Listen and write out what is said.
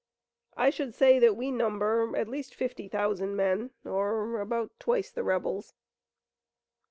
I should say that we number at least fifty thousand men, or about twice the rebels."